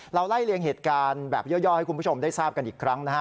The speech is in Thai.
ไล่เลียงเหตุการณ์แบบย่อให้คุณผู้ชมได้ทราบกันอีกครั้งนะฮะ